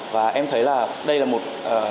và em thấy là đây là một